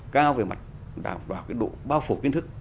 cao về mặt đảm bảo cái độ bao phủ kiến thức